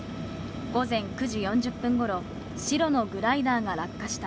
午前９時４０分ごろ、白のグライダーが落下した。